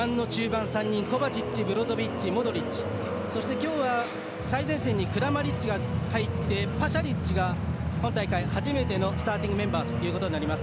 今日は最前線にクラマリッチが入ってパシャリッチが今大会初めてのスターティングメンバーということになります。